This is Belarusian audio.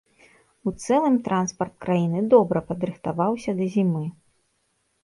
У цэлым транспарт краіны добра падрыхтаваўся да зімы.